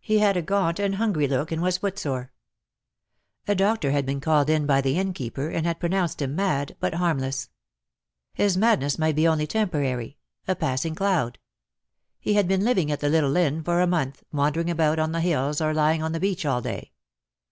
He had a gaunt and hungry look, and was footsore. A doctor had been called in by the Innkeeper, and had pronounced him mad, but harmless. His madness might be only temporary, DEAD LOVE HAS CHAINS. 89 a passing cloud. He had been living at the little inn for a month, wandering about on the hills or lying on the beach all day.